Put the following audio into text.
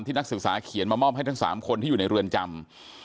นักศึกษาเขียนมามอบให้ทั้ง๓คนที่อยู่ในเรือนจำ